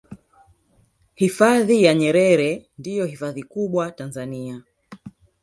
hifadhi ya nyerere ndiyo hifadhi kubwa tanzania